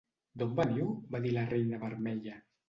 "D'on veniu?", va dir la reina Vermella.